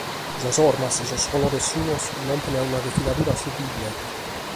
Sas formas e sos colores suos lompent a una refinadura sublime.